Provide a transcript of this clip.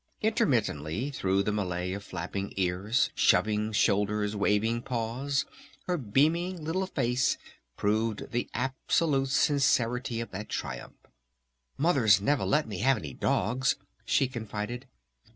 Intermittently through the melee of flapping ears, shoving shoulders, waving paws, her beaming little face proved the absolute sincerity of that triumph. "Mother's never let me have any dogs," she confided.